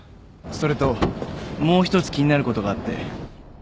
それともう１つ気になることがあって。